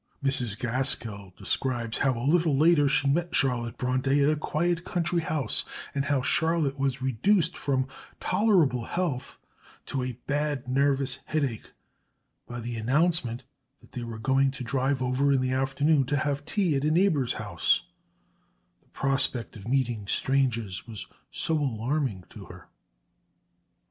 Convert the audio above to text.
Mrs. Gaskell describes how a little later she met Charlotte Bronte at a quiet country house, and how Charlotte was reduced from tolerable health to a bad nervous headache by the announcement that they were going to drive over in the afternoon to have tea at a neighbour's house the prospect of meeting strangers was so alarming to her.